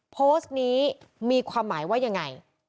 โพสต์นี้มีความหมายว่ายังไง